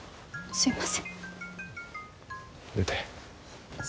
すいません。